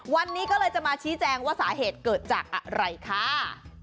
วันนี้ก็เลยจะมาชี้แจงว่าสาเหตุเกิดจากอะไรค่ะ